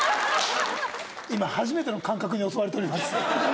今初めての感覚に襲われております。